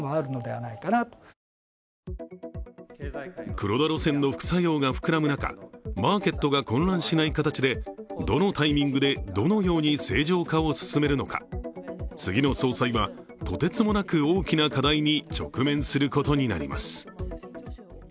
黒田路線の副作用が膨らむ中マーケットが混乱しない形でどのタイミングで、どのように正常化を進めるのか、次の総裁はとてつもなく大きな課題に直面することになります。